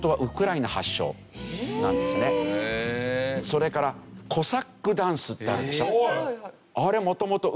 それからコサックダンスってあるでしょ？